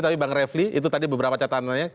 tapi bang refli itu tadi beberapa catatannya